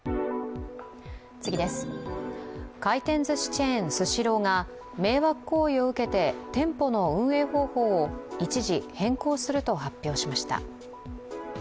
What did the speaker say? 回転ずしチェーン、スシローが迷惑行為を受けて店舗の運営方法を一時、変更すると発表しました。